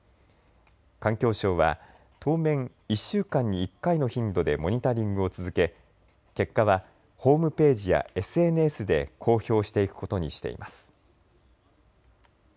環境省は当面１週間に１回の頻度でモニタリングを続け結果はホームページやＳＮＳで公表していくことにしています。